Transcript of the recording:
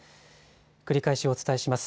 繰り返しお伝えします。